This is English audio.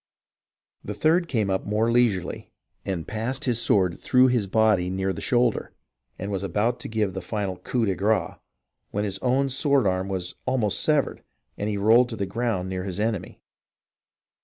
The third came up more leisurely, and passed his sword through his body near the shoulder, and was about to give the final coup de grace, when his own sword arm was almost severed, and he rolled on the ground near his enemy.